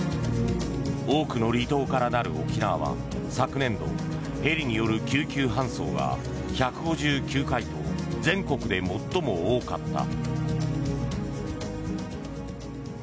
多くの離島からなる沖縄は昨年度ヘリによる救急搬送が１５９回と全国で最も多かった。